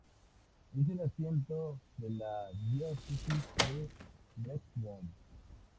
Es el asiento de la diócesis de Brentwood.